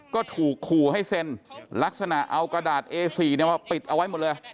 ก็ถูกขู่ให้เซ็นลักษณะเอากระดาษเอสี่มาปิดเอาไว้หมดเลย